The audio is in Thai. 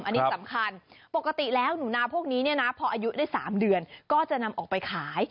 อันนี้สำคัญปกติแล้วหนูนาพวกนี้เนี่ยนะพออายุได้๓เดือนก็จะนำออกไปขาย